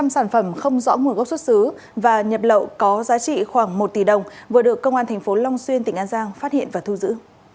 một mươi bốn bốn trăm linh sản phẩm không rõ nguồn gốc xuất xứ và nhập lậu có giá trị khoảng một tỷ đồng vừa được công an tp long xuyên tỉnh an giang phát hiện và thu giữ